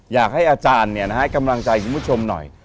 อยากให้อาจารย์ให้กำลังใจคุณผู้ชมหน่อย